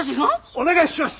お願いします！